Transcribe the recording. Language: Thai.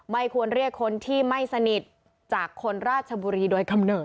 ไม่ควรเรียกคนที่ไม่สนิทจากคนราชบุรีโดยกำเนิ